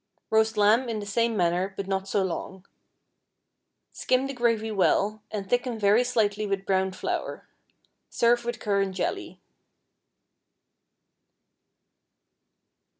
Roast lamb in the same manner, but not so long. Skim the gravy well, and thicken very slightly with browned flour. Serve with currant jelly.